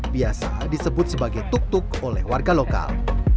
biasa disebut sebagai tuk tuk oleh warga lokal